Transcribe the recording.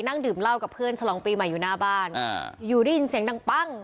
นั่งดื่มเหล้ากับเพื่อนฉลองปีใหม่อยู่หน้าบ้านอ่าอยู่ได้ยินเสียงดังปั้ง